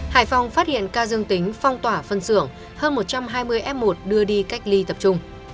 hải phòng phát hiện ca dương tính phong tỏa phân xưởng hơn một trăm hai mươi f một đưa đi cách ly tập trung